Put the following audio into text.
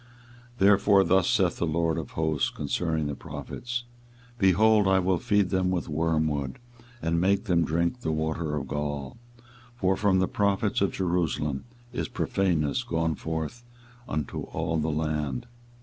24:023:015 Therefore thus saith the LORD of hosts concerning the prophets; Behold, I will feed them with wormwood, and make them drink the water of gall: for from the prophets of Jerusalem is profaneness gone forth into all the land.